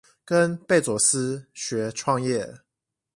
跟貝佐斯學創業